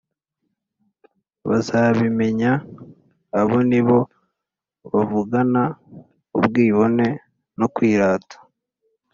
Bazabimenya abo ni bo bavugana ubwibone no kwirata